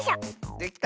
できた！